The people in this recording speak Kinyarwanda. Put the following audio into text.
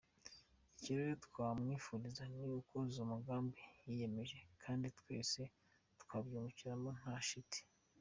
Icyo rero twamwifuriza ni ukuzuza umugambi yiyemeje kandi twese twabyungukiramo nta shiti.